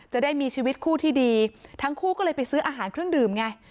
จะได้มีชีวิตคู่ที่ดีทั้งคู่ก็เลยไปซื้ออาหารเครื่องดื่มไง